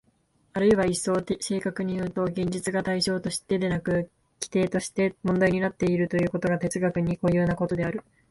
あるいは一層正確にいうと、現実が対象としてでなく基底として問題になってくるというのが哲学に固有なことである。